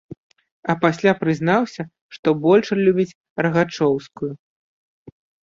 А пасля прызнаўся, што больш любіць рагачоўскую.